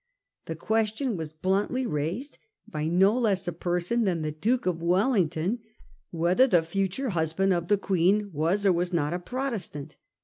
The question was bluntly raised by no less a person than the Duke of Wellington whether the future husband of the Queen was or was not a Protestant.